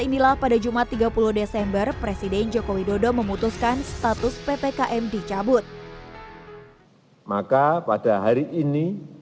inilah pada jumat tiga puluh desember presiden joko widodo memutuskan status ppkm dicabut maka pada hari ini